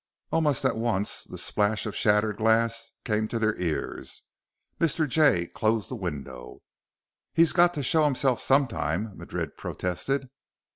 Almost at once, the splash of shattered glass came to their ears. Mr. Jay closed the window. "He's got to show himself sometime," Madrid protested.